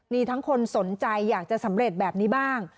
มีทั้งคนสนใจอยากจะสำเร็จแบบนี้บ้าง